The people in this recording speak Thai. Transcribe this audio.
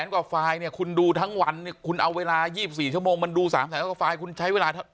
๓๐๐๐๐๐กว่าไฟล์คุณดูทั้งวันคุณเอาเวลา๒๔ชั่วโมงมันดู๓๐๐๐๐๐กว่าไฟล์